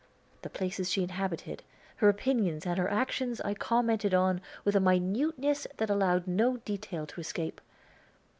The places she inhabited, her opinions and her actions I commented on with a minuteness that allowed no detail to escape.